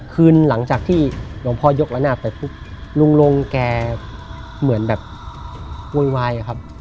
คืนหลังจากที่หลวงพ่อยกละนาดไปพูดลงแกเหมือนแบบโว้ยวาย